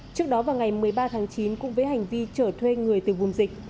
trước đó vào ngày một mươi ba tháng chín cũng với hành vi chở thuê người từ vùng dịch